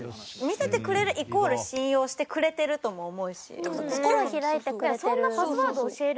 見せてくれるイコール信用してくれてるとも思うし。